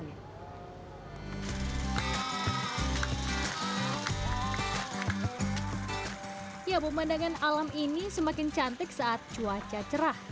ya pemandangan alam ini semakin cantik saat cuaca cerah